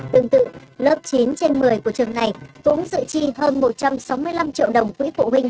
tương tự lớp chín trên một mươi của trường này cũng dự chi hơn một trăm sáu mươi năm triệu đồng quỹ phụ huynh